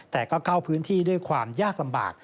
แต่ก็เข้าพื้นที่ด้วยความยากลำบาก